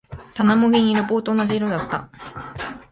棚も銀色。棒と同じ色だった。